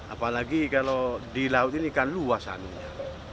apalagi kalau di laut ini kan luas anunya